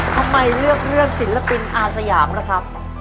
ทำไมเลือกเรื่องศิลปินอาสยามล่ะครับ